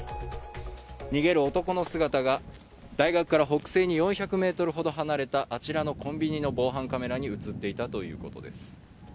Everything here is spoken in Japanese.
逃げる男の姿が大学から北西に４００ｍほど離れたあちらのコンビニの防犯カメラに映っていたということです。